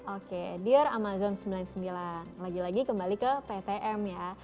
oke dear amazon sembilan puluh sembilan lagi lagi kembali ke ptm ya